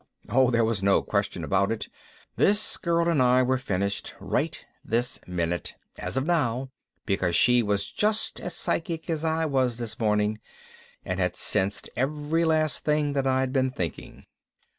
Oh, there was no question about it, this girl and I were finished, right this minute, as of now, because she was just as psychic as I was this morning and had sensed every last thing that I'd been thinking.